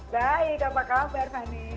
baik apa kabar fanny